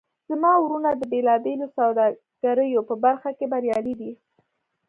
زما وروڼه د بیلابیلو سوداګریو په برخه کې بریالي دي